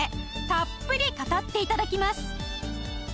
たっぷり語って頂きます